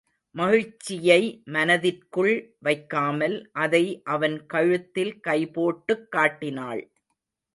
மகிழ்ச்சியை மனதிற்குள் வைக்காமல் அதை அவன் கழுத்தில் கைபோட்டுக் காட்டினாள்.